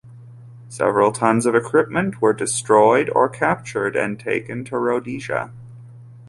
Several tons of equipment were destroyed or captured and taken to Rhodesia.